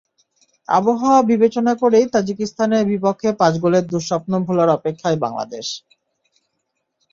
আবহাওয়া বিবেচনা করেই তাজিকিস্তানের বিপক্ষে পাঁচ গোলের দুঃস্বপ্ন ভোলার অপেক্ষায় বাংলাদেশ।